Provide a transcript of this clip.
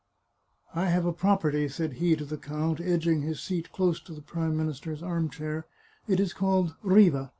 " I have a property," said he to the count, edging his seat close to the Prime Minister's arm chair ;" it is called Riva.